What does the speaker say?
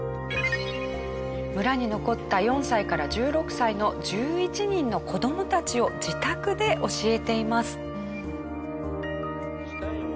村に残った４歳から１６歳の１１人の子どもたちを自宅で教えています。